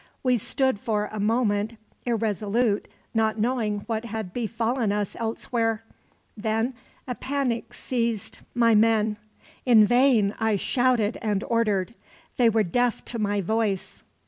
We stood for a moment, irresolute, not knowing what had befallen us elsewhere. Then a panic seized my men. In vain I shouted and ordered. They were deaf to my voice.